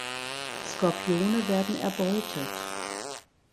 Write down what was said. Skorpione werden erbeutet.